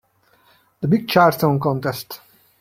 The big Charleston contest.